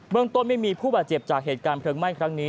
ต้นไม่มีผู้บาดเจ็บจากเหตุการณ์เพลิงไหม้ครั้งนี้